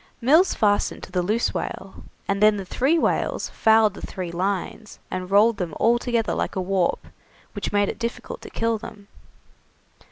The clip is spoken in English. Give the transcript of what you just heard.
Mills fastened to the loose whale, and then the three whales fouled the three lines, and rolled them all together like a warp, which made it difficult to kill them.